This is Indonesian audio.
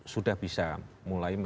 sudah bisa mulai